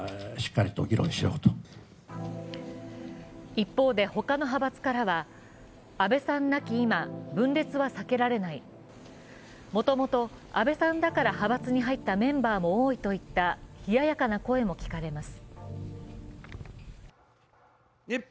一方で他の派閥からは安倍さん亡き今、分裂は避けられない、もともと安倍さんだから派閥に入ったメンバーも多いといった冷ややかな声も聞かれます。